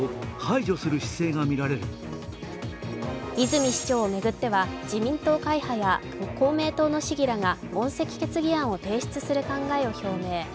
泉市長を巡っては自民党会派や公明党の市議らが問責決議案を提出する考えを表明。